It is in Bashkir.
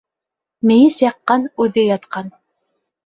Мейес яҡҡан, үҙе ятҡан.